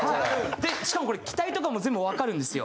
しかもこれ機体とかも全部わかるんですよ。